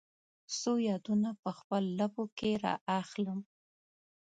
څو یادونه په خپل لپو کې را اخلم